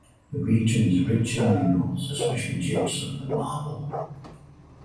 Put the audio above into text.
The region is rich in minerals, especially gypsum and marble.